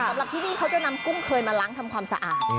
สำหรับที่นี่เขาจะนำกุ้งเคยมาล้างทำความสะอาด